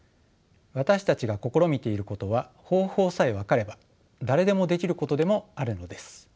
私たちが試みていることは方法さえ分かれば誰でもできることでもあるのです。